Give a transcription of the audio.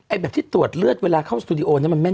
แบบที่ตรวจเลือดเวลาเข้าสตูดิโอเนี่ยมันแม่น